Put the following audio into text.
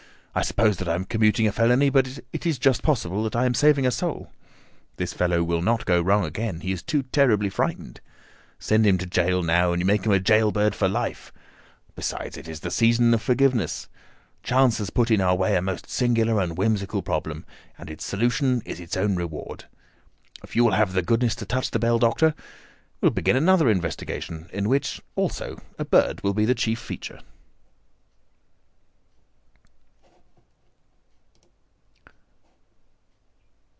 I suppose that I am commuting a felony, but it is just possible that I am saving a soul. This fellow will not go wrong again; he is too terribly frightened. Send him to gaol now, and you make him a gaol bird for life. Besides, it is the season of forgiveness. Chance has put in our way a most singular and whimsical problem, and its solution is its own reward. If you will have the goodness to touch the bell, Doctor, we will begin another investigation, in which, also a bird will be the chief feature."